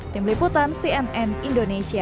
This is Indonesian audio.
tim liputan cnn indonesia